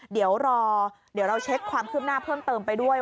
เดี๋ยวเราเช็คความคลิปหน้าเพิ่มเติมไปด้วย